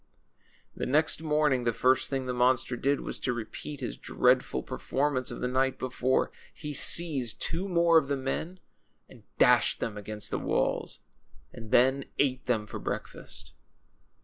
The next morning the first thing the monster did was to repeat his dreadful performance of the night before. He seized two more of the men and dashed them against the walls, and then ate them for break fast.